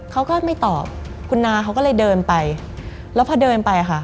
เขาก็ไม่ตอบคุณนาเขาก็เลยเดินไปแล้วพอเดินไปค่ะ